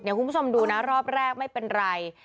คุณผู้ชมดูนะรอบแรกไม่เป็นไร